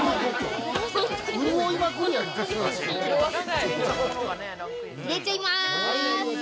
◆潤いが◆入れちゃいます。